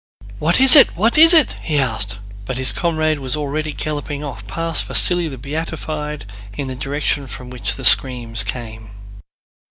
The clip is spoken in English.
"What is it? What is it?" he asked, but his comrade was already galloping off past Vasíli the Beatified in the direction from which the screams came.